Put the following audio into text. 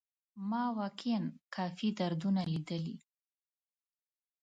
ما واقيعا کافي دردونه ليدلي.